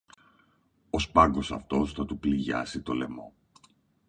Ο σπάγος αυτός θα του πληγιάσει το λαιμό